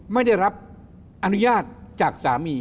ไม่ได้รับอนุญาตจากสามี